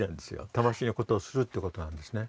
魂のことをするっていうことなんですね。